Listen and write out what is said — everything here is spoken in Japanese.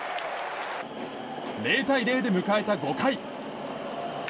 ０対０で迎えた５回。